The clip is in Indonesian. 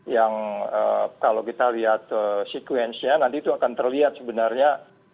yang kalau kita lihat sekuensinya nanti itu akan terlihat sebenarnya